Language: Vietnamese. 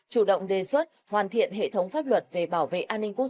chủ động đề xuất hoàn thiện hệ thống pháp luật về bảo vệ an ninh quốc